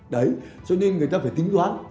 đấy cho nên người ta phải tính đoán